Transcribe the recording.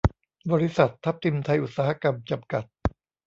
บริษัท ทับทิมไทยอุตสาหกรรม จำกัด